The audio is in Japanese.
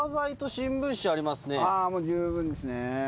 あぁもう十分ですね。